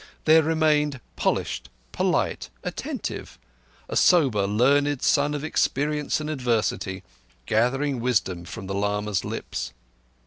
There remained—polished, polite, attentive—a sober, learned son of experience and adversity, gathering wisdom from the lama's lips.